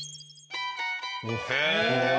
へえ！